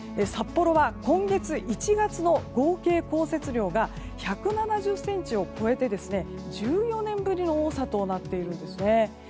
札幌は今月１月の合計降雪量が１７０ｃｍを超えて１４年ぶりの多さとなっているんですね。